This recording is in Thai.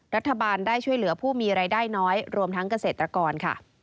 รัฐบาลได้ช่วยเหลือผู้มีรายได้น้อยรวมทั้งเกษตรกรค่ะ